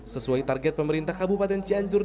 sesuai target pemerintah kabupaten cianjur